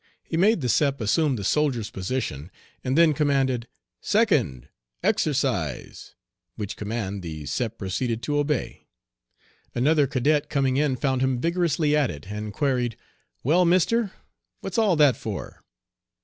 He made the Sep assume the soldier's position, and then commanded, "Second, exercise!" which command the Sep proceeded to obey. Another cadet coming in found him vigorously at it, and queried, "Well, mister, what's all that for?"